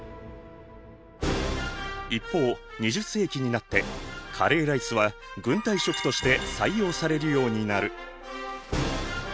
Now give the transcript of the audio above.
一方２０世紀になってカレーライスは軍隊食として採用されるようになる。